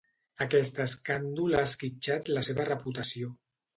Aquest escàndol ha esquitxat la seva reputació.